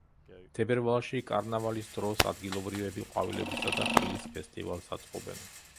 თებერვალში, კარნავალის დროს, ადგილობრივები ყვავილებისა და ხილის ფესტივალს აწყობენ.